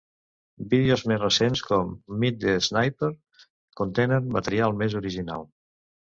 Vídeos més recents, com "Meet the Sniper", contenen material més original.